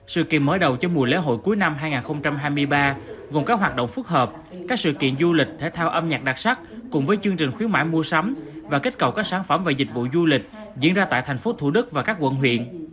sự kiện mới đầu cho mùa lễ hội cuối năm hai nghìn hai mươi ba gồm các hoạt động phức hợp các sự kiện du lịch thể thao âm nhạc đặc sắc cùng với chương trình khuyến mãi mua sắm và kết cầu các sản phẩm và dịch vụ du lịch diễn ra tại tp thủ đức và các quận huyện